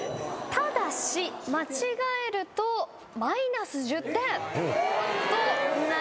ただし間違えるとマイナス１０点となります。